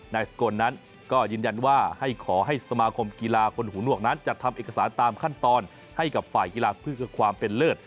นายสกลนั้นก็ยืนยันว่าให้ขอให้สมาคมกีฬาคนหูหนวกนั้นจัดทำเอกสารตามขั้นตอนให้กับฝ่ายกีฬาเพื่อความเป็นเลิศ